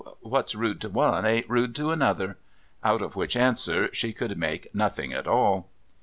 What's rude to one ain't rude to another" out of which answer she could make nothing at all.